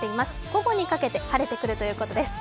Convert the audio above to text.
午後にかけて晴れてくるということです。